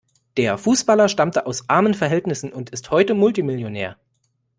Der Fußballer stammte aus armen Verhältnissen und ist heute Multimillionär.